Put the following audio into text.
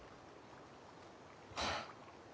はあ。